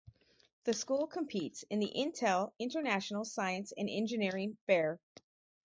The school competes in the Intel International Science and Engineering Fair.